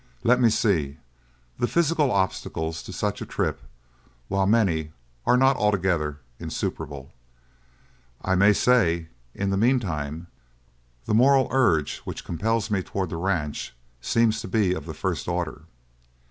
"Let me see: the physical obstacles to such a trip while many are not altogether insuperable, I may say; in the meantime the moral urge which compels me towards the ranch seems to be of the first order."